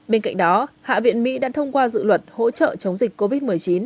bên cạnh đó hạ viện mỹ đã thông qua dự luật hỗ trợ chống dịch covid một mươi chín